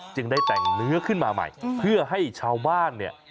จึงได้แต่งเนื้อขึ้นมาใหม่เพื่อให้ชาวบ้านเนี่ย